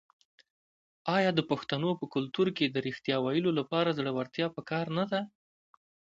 آیا د پښتنو په کلتور کې د ریښتیا ویلو لپاره زړورتیا پکار نه ده؟